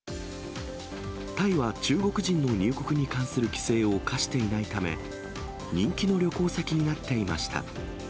タイは中国人の入国に関する規制を課していないため、人気の旅行先になっていました。